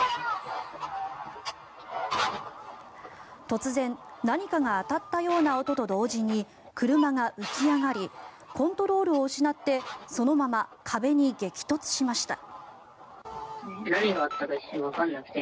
突然何かが当たったような音と同時に車が浮き上がりコントロールを失ってそのまま壁に激突しました。